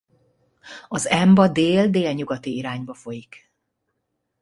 Az Emba dél-délnyugati irányba folyik.